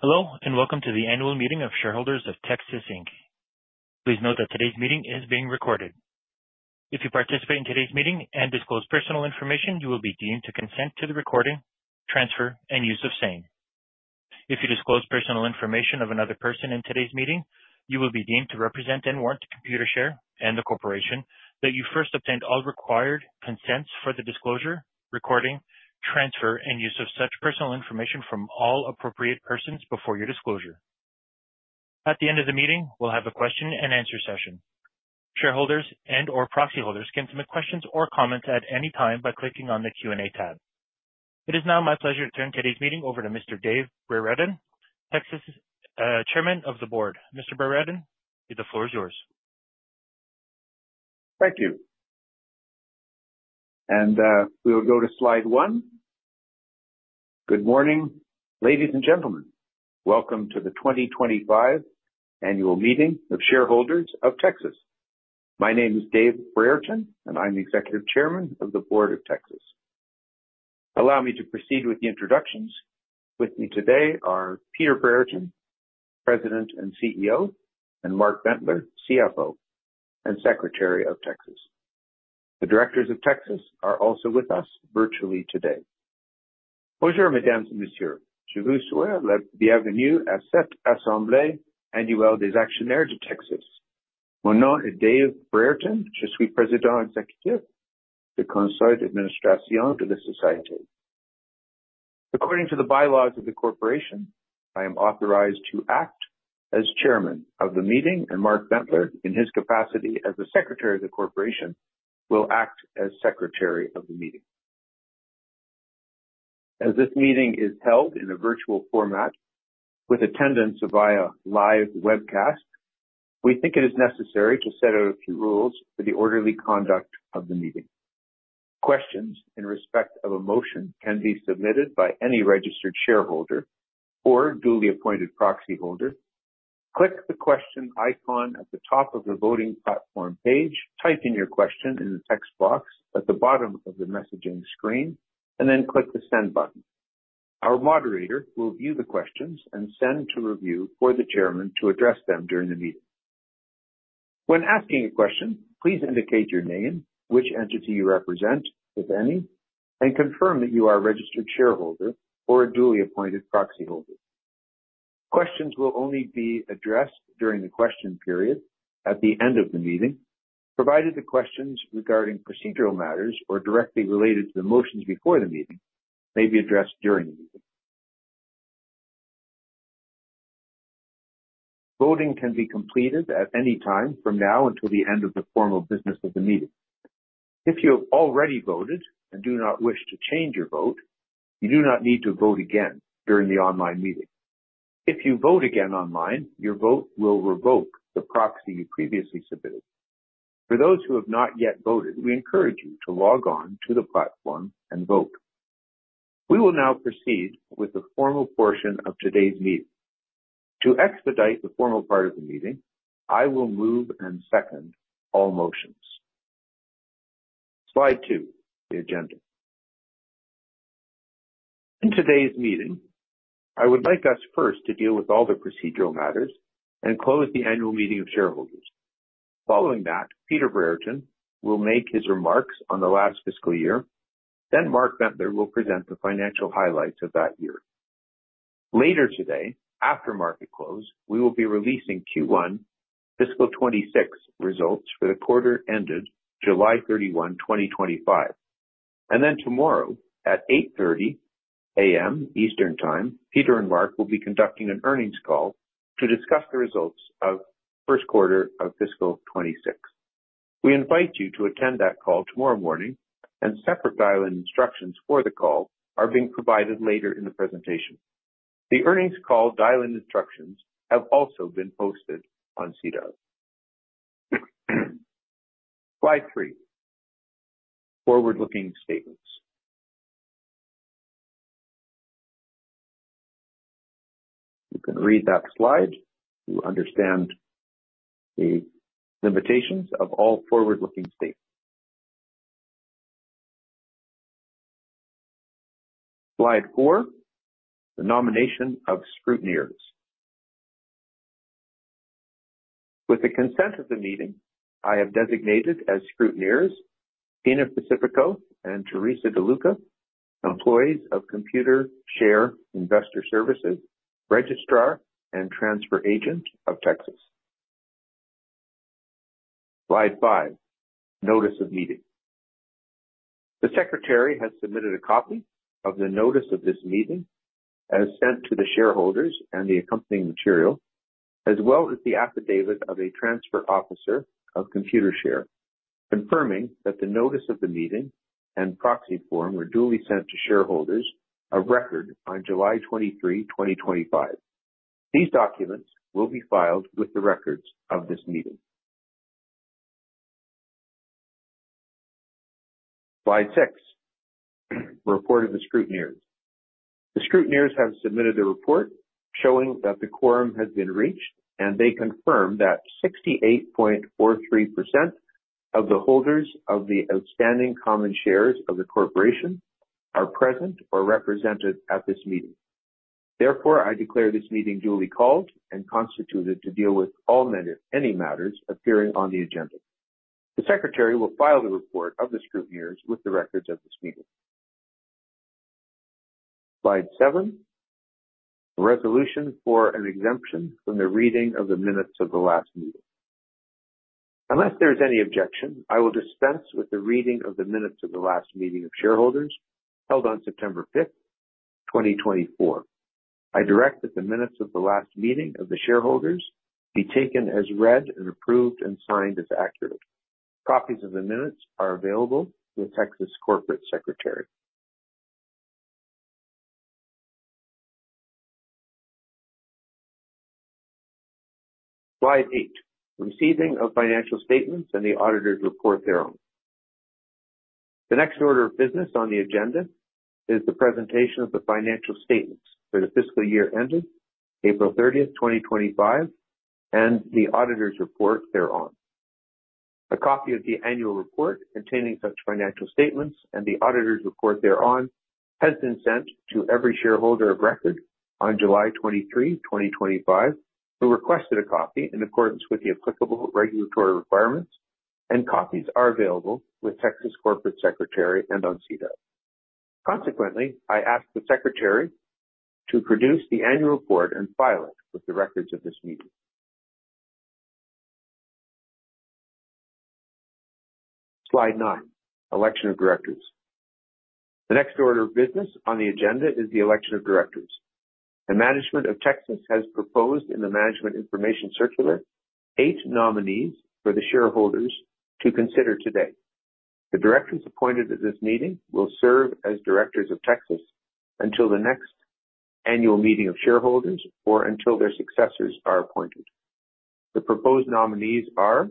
Hello, and welcome to the annual meeting of shareholders of Tecsys Inc. Please note that today's meeting is being recorded. If you participate in today's meeting and disclose personal information, you will be deemed to consent to the recording, transfer, and use of same. If you disclose personal information of another person in today's meeting, you will be deemed to represent and warrant to Computershare and the corporation that you first obtained all required consents for the disclosure, recording, transfer, and use of such personal information from all appropriate persons before your disclosure. At the end of the meeting, we'll have a question and answer session. Shareholders and/or proxy holders can submit questions or comments at any time by clicking on the Q&A tab. It is now my pleasure to turn today's meeting over to Mr. Dave Brereton, Tecsys Chairman of the Board. Mr. Brereton, the floor is yours. Thank you. We will go to slide one. Good morning, ladies and gentlemen. Welcome to the 2025 Annual Meeting of Shareholders of Tecsys. My name is Dave Brereton, and I'm the Executive Chairman of the Board of Tecsys. Allow me to proceed with the introductions. With me today are Peter Brereton, President and CEO, and Mark Bentler, CFO and Secretary of Tecsys. The directors of Tecsys are also with us virtually today. [Non-Content content] According to the bylaws of the corporation, I am authorized to act as Chairman of the meeting, and Mark Bentler, in his capacity as the Secretary of the corporation, will act as Secretary of the meeting. As this meeting is held in a virtual format with attendance via live webcast, we think it is necessary to set out a few rules for the orderly conduct of the meeting. Questions in respect of a motion can be submitted by any registered shareholder or duly appointed proxy holder. Click the question icon at the top of your voting platform page, type in your question in the text box at the bottom of the messaging screen, and then click the send button. Our moderator will review the questions and send to review for the chairman to address them during the meeting. When asking a question, please indicate your name, which entity you represent, if any, and confirm that you are a registered shareholder or a duly appointed proxy holder. Questions will only be addressed during the question period at the end of the meeting, provided the questions regarding procedural matters or directly related to the motions before the meeting may be addressed during the meeting. Voting can be completed at any time from now until the end of the formal business of the meeting. If you've already voted and do not wish to change your vote, you do not need to vote again during the online meeting. If you vote again online, your vote will revoke the proxy you previously submitted. For those who have not yet voted, we encourage you to log on to the platform and vote. We will now proceed with the formal portion of today's meeting. To expedite the formal part of the meeting, I will move and second all motions. Slide two, the agenda. In today's meeting, I would like us first to deal with all the procedural matters and close the annual meeting of shareholders. Following that, Peter Brereton will make his remarks on the last fiscal year. Then Mark Bentler will present the financial highlights of that year. Later today, after market close, we will be releasing Q1 fiscal 2026 results for the quarter ended July 31, 2025, and then tomorrow at 8:30 A.M. Eastern Time, Peter and Mark will be conducting an earnings call to discuss the results of first quarter of fiscal 2026. We invite you to attend that call tomorrow morning and separate dial-in instructions for the call are being provided later in the presentation. The earnings call dial-in instructions have also been posted on SEDAR. Slide three. Forward-looking statements. You can read that slide. You understand the limitations of all forward-looking statements. Slide four, the nomination of scrutineers. With the consent of the meeting, I have designated as scrutineers, Tina Pacifico and Theresa DeLuca, employees of Computershare Investor Services, registrar and transfer agent of Tecsys. Slide five, notice of meeting. The Secretary has submitted a copy of the notice of this meeting as sent to the shareholders and the accompanying material, as well as the affidavit of a transfer officer of Computershare, confirming that the notice of the meeting and proxy form were duly sent to shareholders of record on July 23, 2025. These documents will be filed with the records of this meeting. Slide six, report of the scrutineers. The scrutineers have submitted a report showing that the quorum has been reached, and they confirm that 68.43% of the holders of the outstanding common shares of the corporation are present or represented at this meeting. Therefore, I declare this meeting duly called and constituted to deal with any matters appearing on the agenda. The Secretary will file the report of the scrutineers with the records of this meeting. Slide seven. Resolution for an exemption from the reading of the minutes of the last meeting. Unless there is any objection, I will dispense with the reading of the minutes of the last meeting of shareholders held on September 5th, 2024. I direct that the minutes of the last meeting of the shareholders be taken as read and approved and signed as accurate. Copies of the minutes are available with Tecsys Corporate Secretary. Slide eight. Receiving of financial statements and the auditor's report thereon. The next order of business on the agenda is the presentation of the financial statements for the fiscal year ended April 30, 2025, and the auditor's report thereon. A copy of the annual report containing such financial statements and the auditor's report thereon has been sent to every shareholder of record on July 23, 2025, who requested a copy in accordance with the applicable regulatory requirements, and copies are available with Tecsys Corporate Secretary and on SEDAR. Consequently, I ask the Secretary to produce the annual report and file it with the records of this meeting. Slide nine. Election of directors. The next order of business on the agenda is the election of directors. The management of Tecsys has proposed in the management information circular eight nominees for the shareholders to consider today. The directors appointed at this meeting will serve as directors of Tecsys until the next annual meeting of shareholders or until their successors are appointed. The proposed nominees are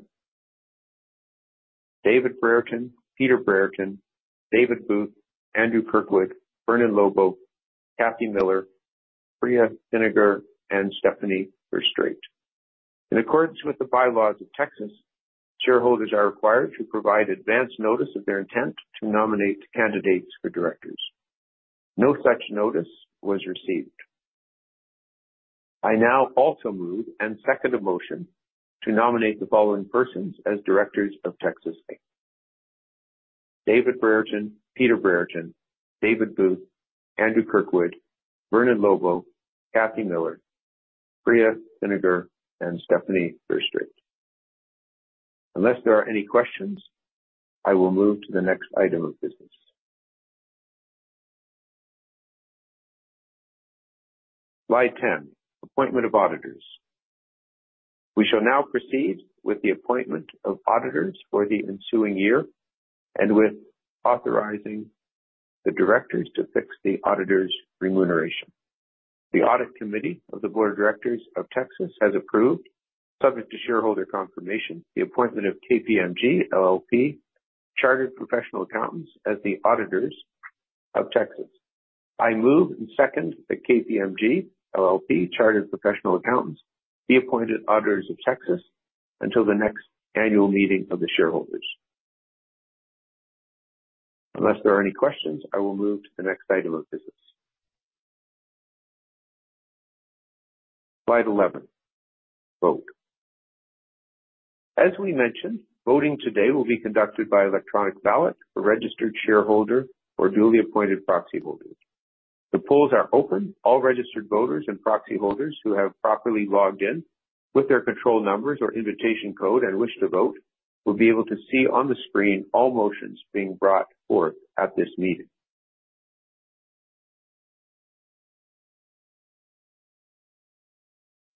David Brereton, Peter Brereton, David Booth, Andrew Kirkwood, Vernon Lobo, Kathleen Miller, Sripriya Thinagar, and Stephany Verstraete. In accordance with the bylaws of Tecsys, shareholders are required to provide advance notice of their intent to nominate candidates for directors. No such notice was received. I now also move and second a motion to nominate the following persons as directors of Tecsys Inc. David Brereton, Peter Brereton, David Booth, Andrew Kirkwood, Vernon Lobo, Kathleen Miller, Sripriya Thinagar, and Stephany Verstraete. Unless there are any questions, I will move to the next item of business. Slide 10. Appointment of auditors. We shall now proceed with the appointment of auditors for the ensuing year and with authorizing the directors to fix the auditors' remuneration. The audit committee of the board of directors of Tecsys has approved, subject to shareholder confirmation, the appointment of KPMG LLP Chartered Professional Accountants as the auditors of Tecsys. I move and second that KPMG LLP Chartered Professional Accountants be appointed auditors of Tecsys until the next annual meeting of the shareholders. Unless there are any questions, I will move to the next item of business. Slide 11. Vote. As we mentioned, voting today will be conducted by electronic ballot for registered shareholder or duly appointed proxy holders. The polls are open. All registered voters and proxy holders who have properly logged in with their control numbers or invitation code and wish to vote will be able to see on the screen all motions being brought forth at this meeting.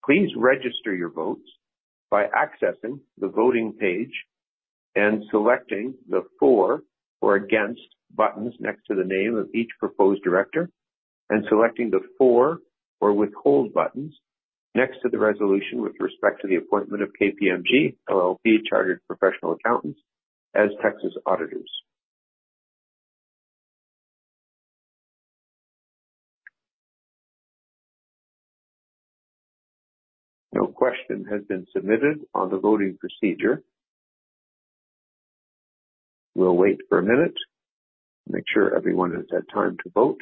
Please register your votes by accessing the voting page and selecting the For or Against buttons next to the name of each proposed director, and selecting the For or Withhold buttons next to the resolution with respect to the appointment of KPMG LLP Chartered Professional Accountants as the auditors. No question has been submitted on the voting procedure. We'll wait for a minute, make sure everyone has had time to vote.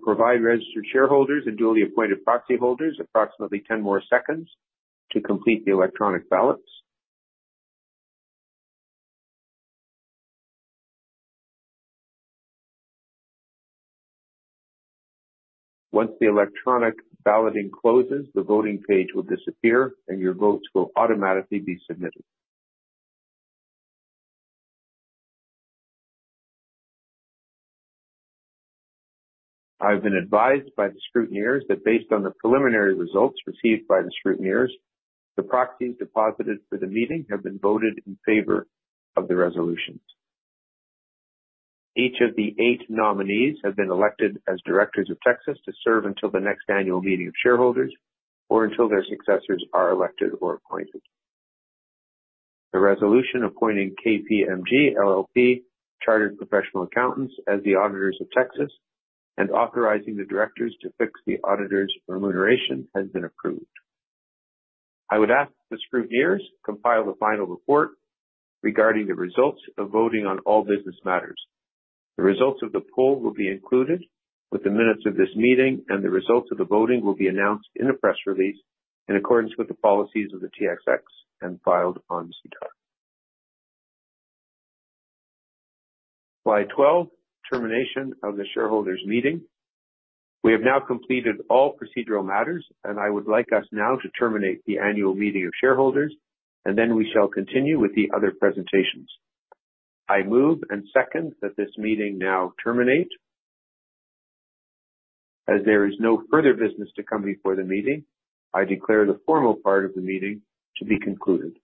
We'll provide registered shareholders and duly appointed proxy holders approximately 10 more seconds to complete the electronic ballots. Once the electronic balloting closes, the voting page will disappear, and your votes will automatically be submitted. I've been advised by the scrutineers that based on the preliminary results received by the scrutineers, the proxies deposited for the meeting have been voted in favor of the resolutions. Each of the eight nominees have been elected as directors of Tecsys to serve until the next annual meeting of shareholders, or until their successors are elected or appointed. The resolution appointing KPMG LLP chartered professional accountants as the auditors of Tecsys, and authorizing the directors to fix the auditors' remuneration has been approved. I would ask the scrutineers to compile the final report regarding the results of voting on all business matters. The results of the poll will be included with the minutes of this meeting, and the results of the voting will be announced in a press release in accordance with the policies of the TSX and filed on SEDAR. Slide 12, termination of the shareholders' meeting. We have now completed all procedural matters, and I would like us now to terminate the annual meeting of shareholders, and then we shall continue with the other presentations. I move and second that this meeting now terminate. As there is no further business to come before the meeting, I declare the formal part of the meeting to be concluded.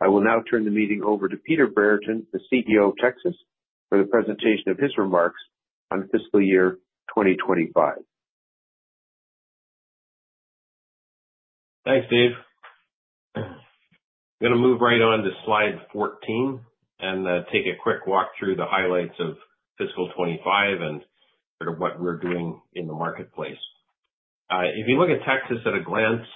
I will now turn the meeting over to Peter Brereton, the CEO of Tecsys, for the presentation of his remarks on fiscal year 2025. Thanks, Dave. I'm gonna move right on to slide 14 and take a quick walk through the highlights of fiscal 2025 and sort of what we're doing in the marketplace. If you look at Tecsys at a glance,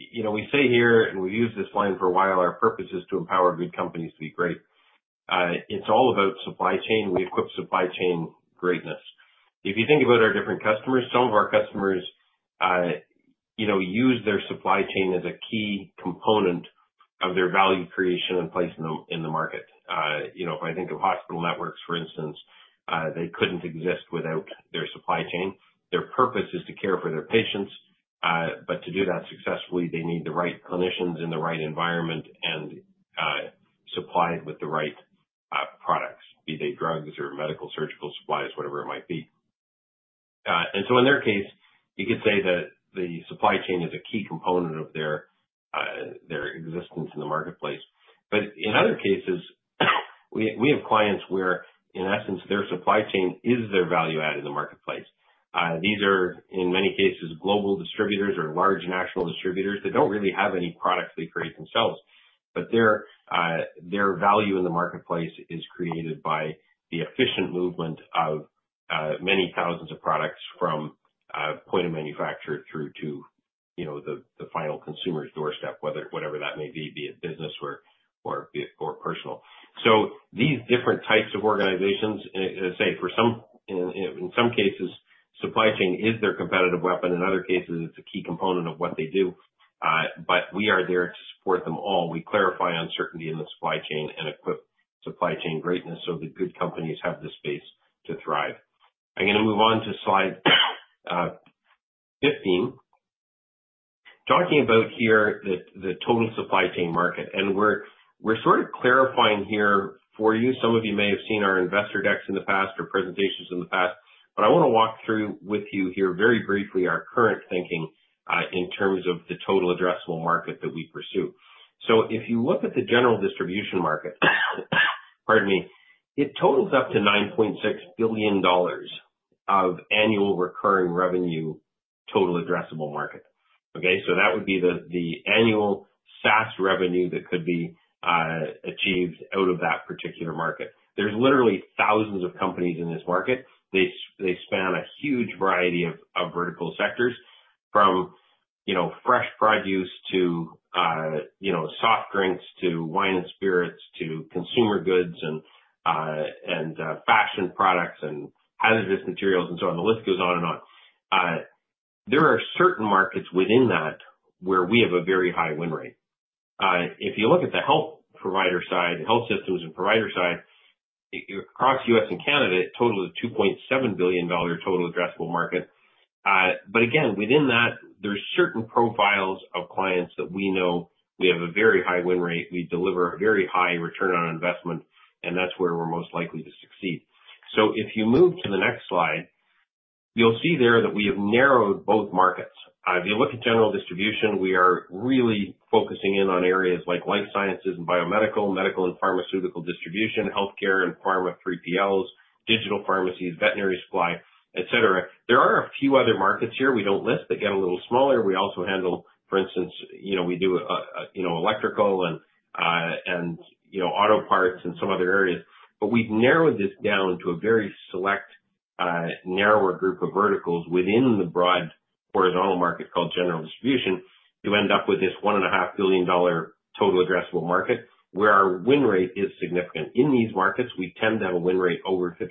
we say here, and we've used this line for a while, our purpose is to empower good companies to be great. It's all about supply chain. We equip supply chain greatness. If you think about our different customers, some of our customers use their supply chain as a key component of their value creation and place in the market. If I think of hospital networks, for instance, they couldn't exist without their supply chain. Their purpose is to care for their patients. To do that successfully, they need the right clinicians in the right environment and supplied with the right products, be they drugs or medical surgical supplies, whatever it might be. In their case, you could say that the supply chain is a key component of their existence in the marketplace. In other cases, we have clients where, in essence, their supply chain is their value add in the marketplace. These are, in many cases, global distributors or large national distributors that don't really have any products they create themselves, but their value in the marketplace is created by the efficient movement of many thousands of products from point of manufacture through to the final consumer's doorstep, whatever that may be it business or personal. These different types of organizations, say in some cases, supply chain is their competitive weapon. In other cases, it's a key component of what they do. We are there to support them all. We clarify uncertainty in the supply chain and equip supply chain greatness so that good companies have the space to thrive. I'm gonna move on to slide 15. Talking about here the total supply chain market. We're sort of clarifying here for you. Some of you may have seen our investor decks in the past or presentations in the past, but I want to walk through with you here very briefly our current thinking, in terms of the total addressable market that we pursue. If you look at the general distribution market, pardon me, it totals up to $9.6 billion of annual recurring revenue, total addressable market. Okay. That would be the annual SaaS revenue that could be achieved out of that particular market. There's literally thousands of companies in this market. They span a huge variety of vertical sectors from fresh produce to soft drinks, to wine and spirits, to consumer goods and fashion products and hazardous materials and so on. The list goes on and on. There are certain markets within that where we have a very high win rate. If you look at the health provider side, health systems and provider side, across U.S. and Canada, it totals $2.7 billion total addressable market. But again, within that, there's certain profiles of clients that we know we have a very high win rate. We deliver a very high return on investment, and that's where we're most likely to succeed. If you move to the next slide, you'll see there that we have narrowed both markets. If you look at general distribution, we are really focusing in on areas like life sciences and biomedical, medical and pharmaceutical distribution, healthcare and pharma 3PLs, digital pharmacies, veterinary supply, et cetera. There are a few other markets here we don't list that get a little smaller. We also handle, for instance, we do electrical and auto parts and some other areas. But we've narrowed this down to a very select, narrower group of verticals within the broad horizontal market called general distribution to end up with this $1.5 billion total addressable market, where our win rate is significant. In these markets, we tend to have a win rate over 50%.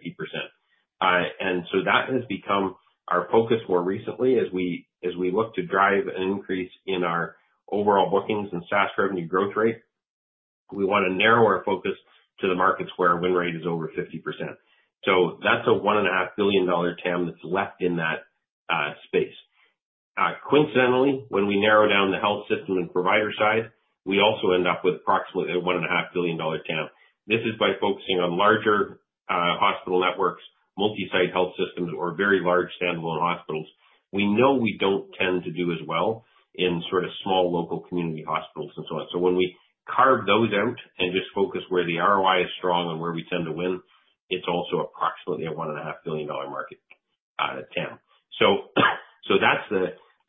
That has become our focus more recently as we look to drive an increase in our overall bookings and SaaS revenue growth rate. We want to narrow our focus to the markets where our win rate is over 50%. That's a $1.5 billion TAM that's left in that space. Coincidentally, when we narrow down the health system and provider side, we also end up with approximately a $1.5 billion TAM. This is by focusing on larger hospital networks, multi-site health systems, or very large standalone hospitals. We know we don't tend to do as well in sort of small local community hospitals and so on. When we carve those out and just focus where the ROI is strong and where we tend to win, it's also approximately a $1.5 billion market, TAM.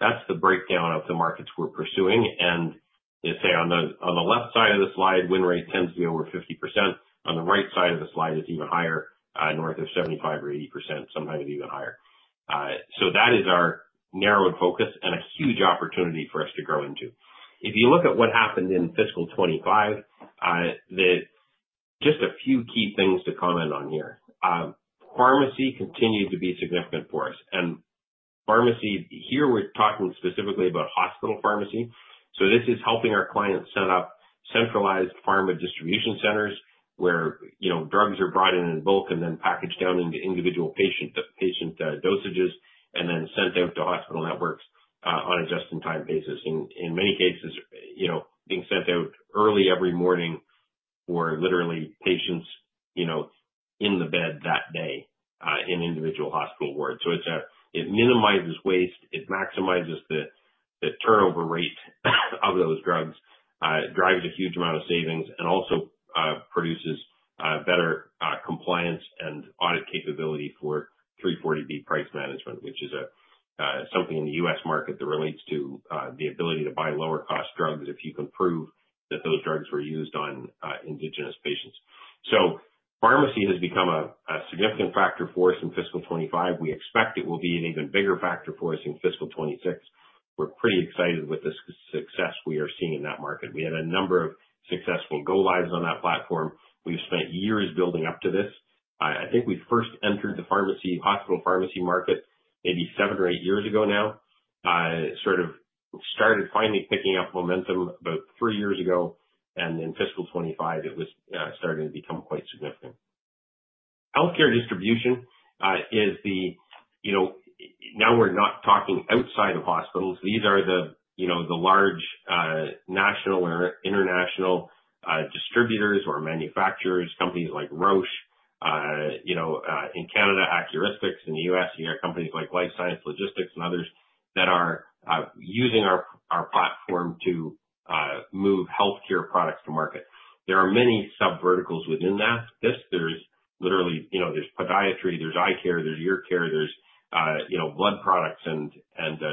That's the breakdown of the markets we're pursuing. You'll see on the left side of the slide, win rate tends to be over 50%. On the right side of the slide, it's even higher, north of 75% or 80%, sometimes even higher. That is our narrowed focus and a huge opportunity for us to grow into. If you look at what happened in FY 2025, just a few key things to comment on here. Pharmacy continued to be significant for us. Pharmacy, here we're talking specifically about hospital pharmacy. This is helping our clients set up centralized pharma distribution centers where drugs are brought in in bulk and then packaged down into individual patient dosages and then sent out to hospital networks on a just-in-time basis. In many cases, being sent out early every morning for literally patients in the bed that day, in individual hospital wards. It minimizes waste, it maximizes the turnover rate of those drugs, drives a huge amount of savings and also produces better compliance and audit capability for 340B price management, which is something in the U.S. market that relates to the ability to buy lower cost drugs if you can prove that those drugs were used on indigent patients. Pharmacy has become a significant factor for us in fiscal 2025. We expect it will be an even bigger factor for us in fiscal 2026. We're pretty excited with the success we are seeing in that market. We have a number of successful go lives on that platform. We've spent years building up to this. I think we first entered the hospital pharmacy market maybe seven or eight years ago now. Sort of started finally picking up momentum about three years ago, and in fiscal 2025, it was starting to become quite significant. Healthcare distribution, now we're not talking outside of hospitals. These are the large national or international distributors or manufacturers, companies like Roche. You know, in Canada, Accuristix, in the U.S., you have companies like LifeScience Logistics and others that are using our platform to move healthcare products to market. There are many sub-verticals within that. There's podiatry, there's eye care, there's ear care, there's blood products and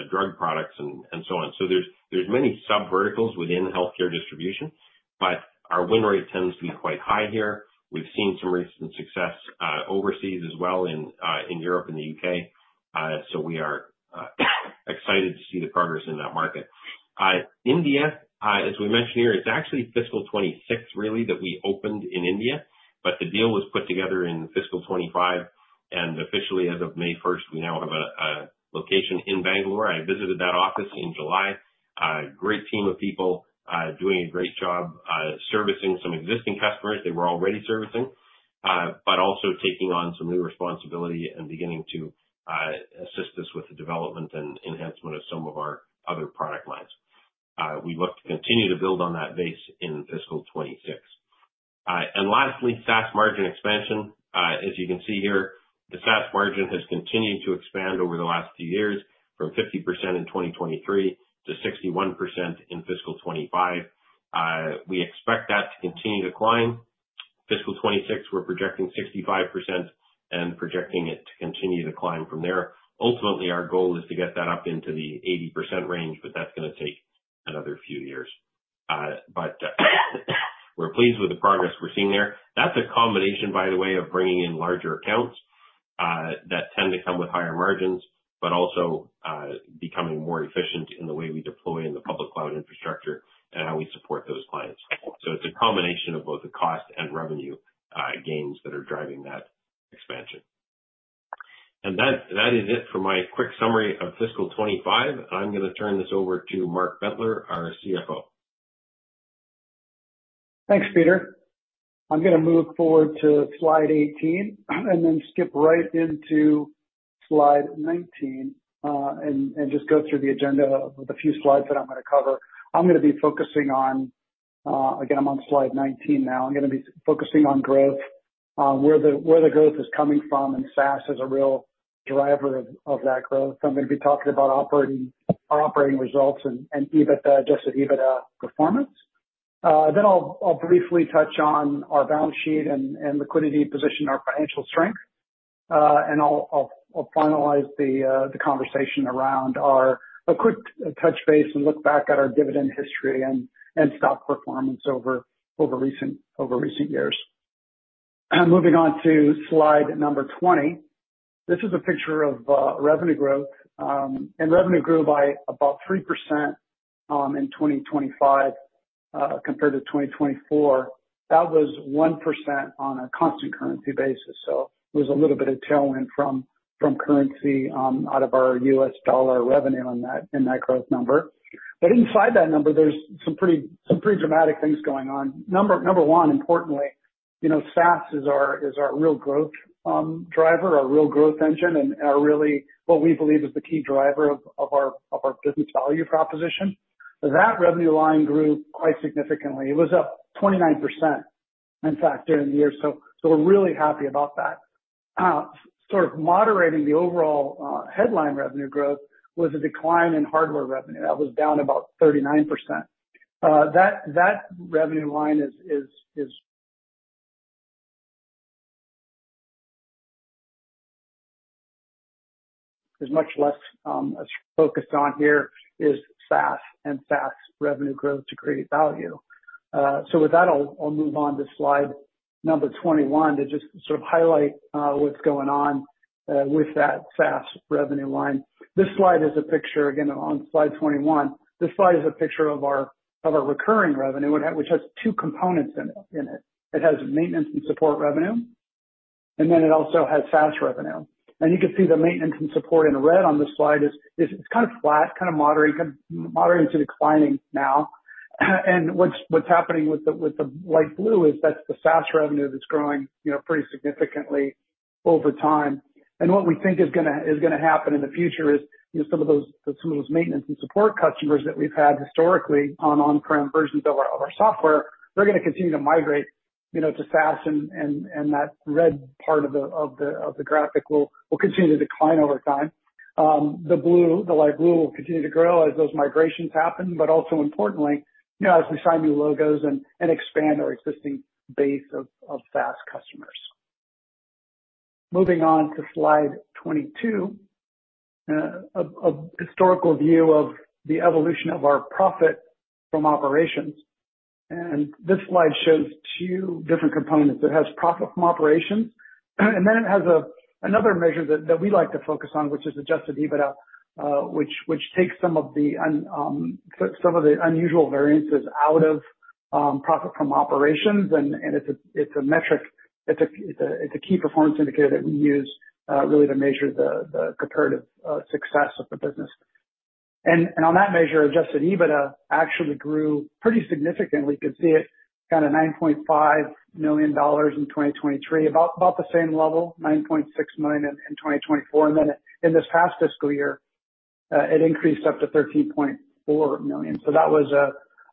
drug products and so on. So there's many sub-verticals within healthcare distribution, but our win rate tends to be quite high here. We've seen some recent success overseas as well in Europe and the U.K. We are excited to see the progress in that market. India, as we mentioned here, it's actually fiscal 2026 really that we opened in India, but the deal was put together in fiscal 2025, and officially as of May 1st, we now have a location in Bangalore. I visited that office in July. Great team of people, doing a great job servicing some existing customers they were already servicing. Also taking on some new responsibility and beginning to assist us with the development and enhancement of some of our other product lines. We look to continue to build on that base in fiscal 2026. Lastly, SaaS margin expansion. As you can see here, the SaaS margin has continued to expand over the last few years from 50% in 2023 to 61% in fiscal 2025. We expect that to continue to climb. Fiscal 2026, we're projecting 65% and projecting it to continue to climb from there. Ultimately, our goal is to get that up into the 80% range, but that's going to take another few years. We're pleased with the progress we're seeing there. That's a combination, by the way, of bringing in larger accounts that tend to come with higher margins, but also becoming more efficient in the way we deploy in the public cloud infrastructure and how we support those clients. It's a combination of both the cost and revenue gains that are driving that expansion. That is it for my quick summary of fiscal 2025. I'm going to turn this over to Mark Bentler, our CFO. Thanks, Peter. I'm going to move forward to slide 18 and then skip right into slide 19, and just go through the agenda of the few slides that I'm going to cover. Again, I'm on slide 19 now. I'm going to be focusing on growth, where the growth is coming from, and SaaS is a real driver of that growth. I'm going to be talking about our operating results and Adjusted EBITDA performance. I'll briefly touch on our balance sheet and liquidity position, our financial strength. I'll finalize the conversation around a quick touch base and look back at our dividend history and stock performance over recent years. Moving on to slide number 20. This is a picture of revenue growth. Revenue grew by about 3% in 2025 compared to 2024. That was 1% on a constant currency basis. There was a little bit of tailwind from currency out of our U.S. dollar revenue in that growth number. Inside that number, there's some pretty dramatic things going on. Number one, importantly, SaaS is our real growth driver, our real growth engine, and really what we believe is the key driver of our business value proposition. That revenue line grew quite significantly. It was up 29%, in fact, during the year, so we're really happy about that. Sort of moderating the overall headline revenue growth was a decline in hardware revenue. That was down about 39%. That revenue line is much less focused on. Here is SaaS and SaaS revenue growth to create value. With that, I'll move on to slide number 21 to just sort of highlight what's going on with that SaaS revenue line. This slide is a picture, again, on slide 21. This slide is a picture of our recurring revenue, which has two components in it. It has maintenance and support revenue, and then it also has SaaS revenue. You can see the maintenance and support in the red on this slide is kind of flat, kind of moderate to declining now. What's happening with the light blue is that's the SaaS revenue that's growing pretty significantly over time. What we think is going to happen in the future is some of those maintenance and support customers that we've had historically on-prem versions of our software, they're going to continue to migrate to SaaS, and that red part of the graphic will continue to decline over time. The light blue will continue to grow as those migrations happen, but also importantly, as we sign new logos and expand our existing base of SaaS customers. Moving on to slide 22, a historical view of the evolution of our profit from operations. This slide shows two different components. It has profit from operations, and then it has another measure that we like to focus on, which is adjusted EBITDA, which takes some of the unusual variances out of profit from operations, and it's a key performance indicator that we use really to measure the comparative success of the business. On that measure, adjusted EBITDA actually grew pretty significantly. You can see it kind of $9.5 million in 2023, about the same level, $9.6 million in 2024. Then in this past fiscal year, it increased up to $13.4 million. That was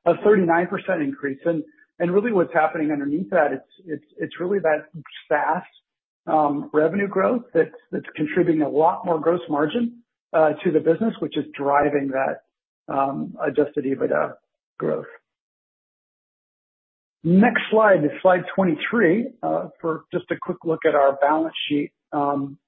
a 39% increase. Really what's happening underneath that, it's really that SaaS revenue growth that's contributing a lot more gross margin to the business, which is driving that Adjusted EBITDA growth. Next slide is slide 23, for just a quick look at our balance sheet. The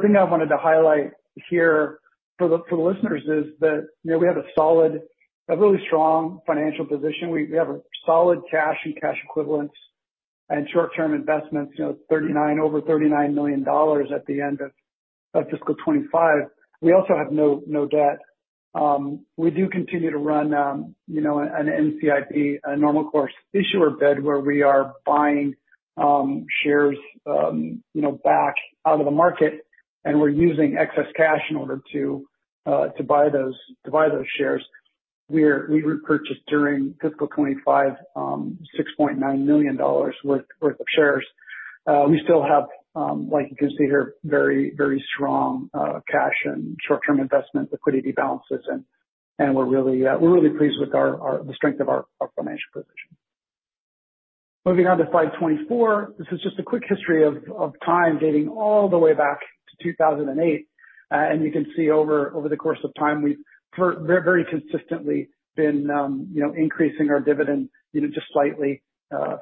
thing I wanted to highlight here for the listeners is that we have a really strong financial position. We have a solid cash and cash equivalents and short-term investments, over $39 million at the end of fiscal 2025. We also have no debt. We do continue to run an NCIB, a normal course issuer bid, where we are buying shares back out of the market, and we're using excess cash in order to buy those shares. We repurchased during fiscal 2025, $6.9 million worth of shares. We still have, like you can see here, very strong cash and short-term investment liquidity balances, and we're really pleased with the strength of our financial position. Moving on to slide 24. This is just a quick history over time dating all the way back to 2008. You can see over the course of time, we've very consistently been increasing our dividend just slightly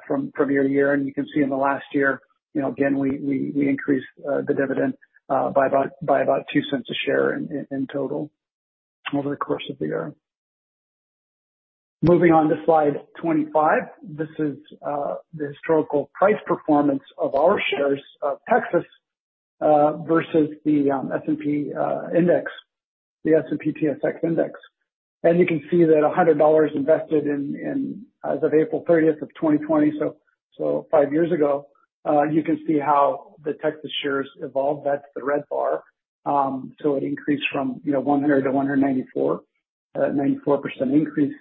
from year-to-year. You can see in the last year, again, we increased the dividend by about $0.02 a share in total over the course of the year. Moving on to slide 25. This is the historical price performance of our shares of Tecsys versus the S&P/TSX index. You can see that $100 invested as of April 30, 2020, so five years ago, you can see how the Tecsys shares evolved. That's the red bar. It increased from 100-194, a 94% increase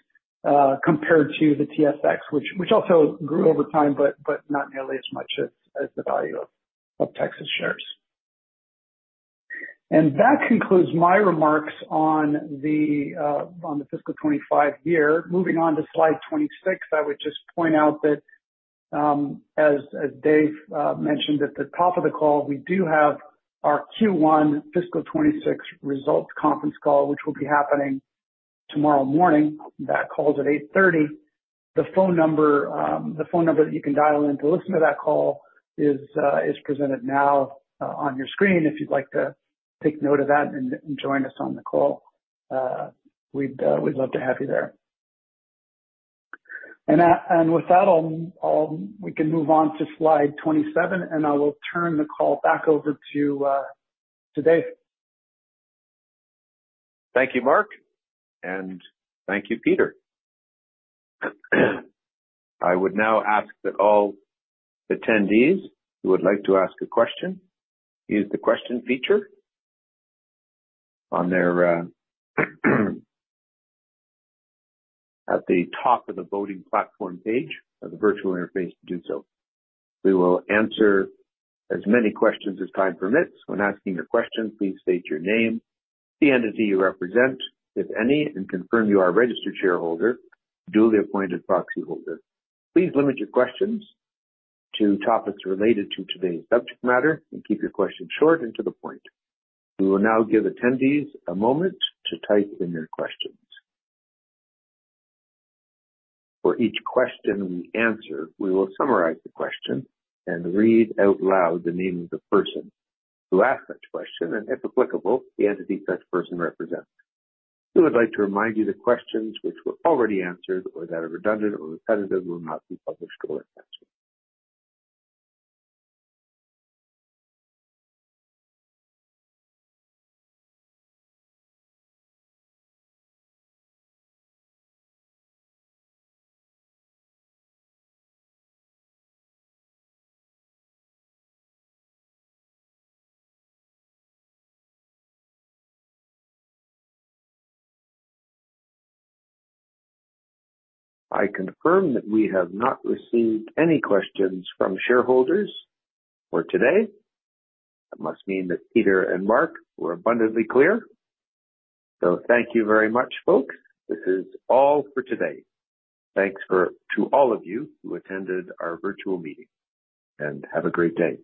compared to the TSX, which also grew over time, but not nearly as much as the value of Tecsys shares. That concludes my remarks on the fiscal 2025 year. Moving on to slide 26, I would just point out that, as Dave mentioned at the top of the call, we do have our Q1 fiscal 2026 results conference call, which will be happening tomorrow morning. That call's at 8:30 A.M. The phone number that you can dial in to listen to that call is presented now on your screen, if you'd like to take note of that and join us on the call. We'd love to have you there. With that, we can move on to slide 27, and I will turn the call back over to Dave. Thank you, Mark, and thank you, Peter. I would now ask that all attendees who would like to ask a question use the question feature at the top of the voting platform page of the virtual interface to do so. We will answer as many questions as time permits. When asking a question, please state your name, the entity you represent, if any, and confirm you are a registered shareholder, duly appointed proxy holder. Please limit your questions to topics related to today's subject matter and keep your questions short and to the point. We will now give attendees a moment to type in their questions. For each question we answer, we will summarize the question and read out loud the name of the person who asked that question, and if applicable, the entity such person represents. We would like to remind you that questions which were already answered or that are redundant or repetitive will not be published or answered. I confirm that we have not received any questions from shareholders for today. That must mean that Peter and Mark were abundantly clear. Thank you very much, folks. This is all for today. Thanks to all of you who attended our virtual meeting, and have a great day.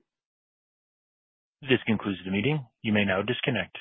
This concludes the meeting. You may now disconnect.